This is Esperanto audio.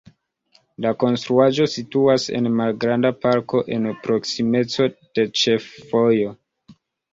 La konstruaĵo situas en malgranda parko en proksimeco de ĉefvojo.